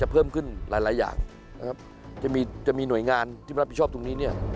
เพิ่มขึ้นหลายหลายอย่างนะครับจะมีจะมีหน่วยงานที่มารับผิดชอบตรงนี้เนี่ย